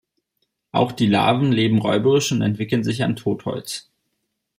Auch die Larven leben räuberisch und entwickeln sich an Totholz.